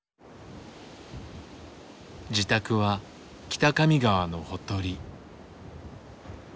自宅は北上川のほとり。